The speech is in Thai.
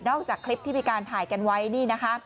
นอกจากคลิปที่มีการถ่ายกันไว้